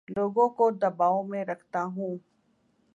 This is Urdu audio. لوگوں کو دباو میں رکھتا ہوں